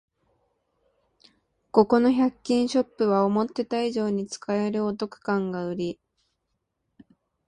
ここの百均ショップは思ってた以上に使えるお得感がウリ